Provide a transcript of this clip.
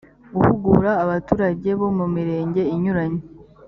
guhugura abaturage bo mu mirenge inyuranye